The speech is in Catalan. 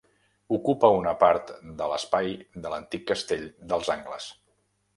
Ocupa una part de l'espai de l'antic Castell dels Angles.